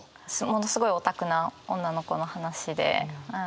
ものすごいオタクな女の子の話で。